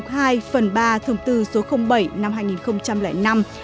phần ba thông tư số bảy năm hai nghìn năm